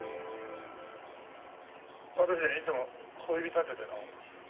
私ねいつも小指立てて飲むんですよ。